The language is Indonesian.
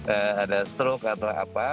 eh ada stroke atau apa